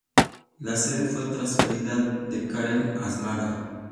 La sede fue transferida de Keren a Asmara.